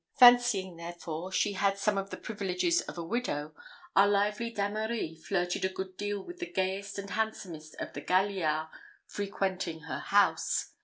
Fancying, therefore, she had some of the privileges of a widow, our lively Dameris flirted a good deal with the gayest and handsomest of the galliards frequenting her house.